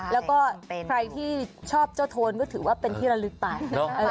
แล้วก็ใครที่ชอบเจ้าโทนก็ถือว่าเป็นที่ระลึกไป